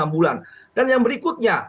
enam bulan dan yang berikutnya